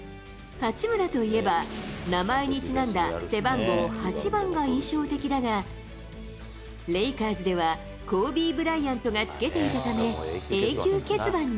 八村といえば、名前にちなんだ背番号８番が印象的だが、レイカーズでは、コービー・ブライアントがつけていたため、永久欠番に。